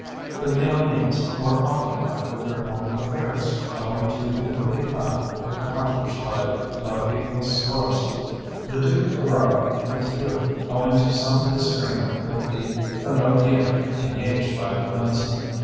The Milanese were occupied with their own affairs, owing to the coup d'état accomplished by Lodovico Sforza. The Duke of Ferrara withdrew owing to some disagreement with the condottieri engaged by Lorenzo.